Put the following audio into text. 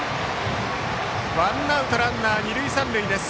ワンアウトランナー、二塁三塁です。